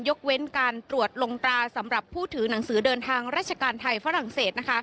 ยกเว้นการตรวจลงตราสำหรับผู้ถือหนังสือเดินทางราชการไทยฝรั่งเศส